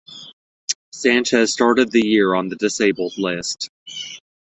Sanchez started the year on the disabled list.